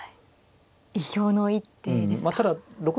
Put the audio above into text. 意表の一手ですか。